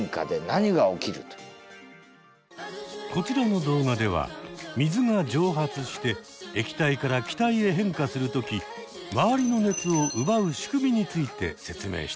こちらの動画では水が蒸発して液体から気体へ変化するときまわりの熱を奪う仕組みについて説明している。